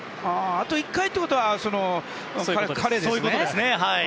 あと１回ということはやっぱり彼ですよね？